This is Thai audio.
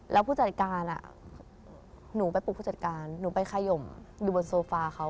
แล้วผู้จัดการหนูไปปลูกผู้จัดการหนูไปขยมอยู่บนโซฟาเขา